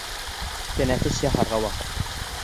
Тәнәфес яһарға ваҡыт